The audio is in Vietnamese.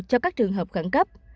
cho các trường hợp khẩn cấp